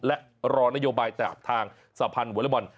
และรอนโยบายตราบทางสะพันธ์วนละบอล